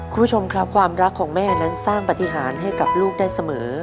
คุณผู้ชมครับความรักของแม่นั้นสร้างปฏิหารให้กับลูกได้เสมอ